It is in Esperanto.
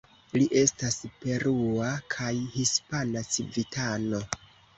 Li estas perua kaj hispana civitano.